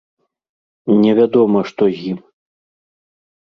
Невядома, што з ім.